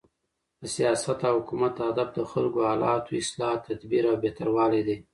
د سیاست او حکومت هدف د خلکو د حالاتو، اصلاح، تدبیر او بهتروالی دئ.